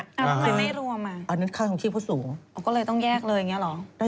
ทำไมไม่รวมอ่ะอันนั้นค่าทองชีพผู้สูงอ๋อก็เลยต้องแยกเลยอย่างนี้เหรอ